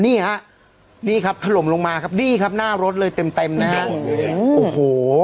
นี่ฮะนี่ครับถล่มลงมาครับนี่ครับหน้ารถเลยเต็มเต็มนะฮะโอ้โห